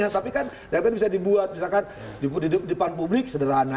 tapi kan datanya bisa dibuat misalkan di depan publik sederhana